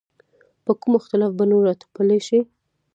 په کومو اخلاقي بڼو راتپلی شي.